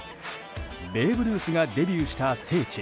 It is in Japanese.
ベーブ・ルースがデビューした聖地